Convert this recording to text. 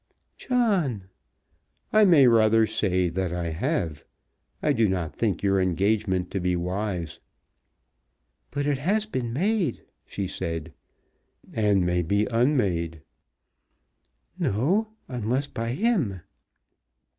"John!" "I may rather say that I have. I do not think your engagement to be wise." "But it has been made," said she. "And may be unmade." "No; unless by him."